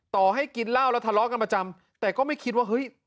ต่อให้กินเหล้าแล้วทะเลาะกันประจำแต่ก็ไม่คิดว่าเฮ้ย